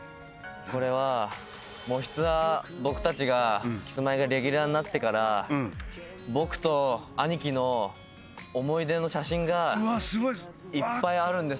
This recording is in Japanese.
これは『もしツア』僕たちがキスマイがレギュラーになってから僕とアニキの思い出の写真がいっぱいあるんですここに。